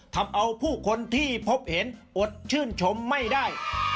ทำเอาผู้คนที่พบเห็นอดชื่นชมไม่ได้